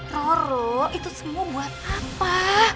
roro itu semua buat apa